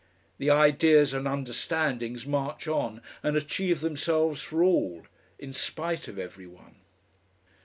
The ideas and understandings march on and achieve themselves for all in spite of every one....